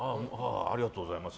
ありがとうございます。